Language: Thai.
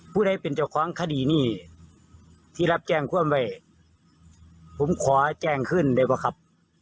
ได้เป็นเจ้าของคดีนี้ที่รับแจ้งความไว้ผมขอแจ้งขึ้นดีกว่าครับ